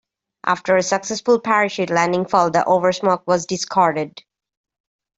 After a successful parachute landing fall, the oversmock was discarded.